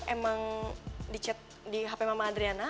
emang di chat di hape mamah adriana